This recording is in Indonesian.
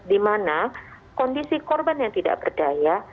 dimana kondisi korban yang tidak berdaya